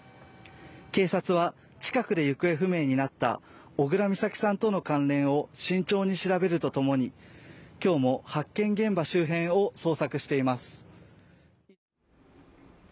警察は近くで行方不明になった小倉美咲さんとの関連を慎重に調べるとともに今日も発見現場周辺を捜索しています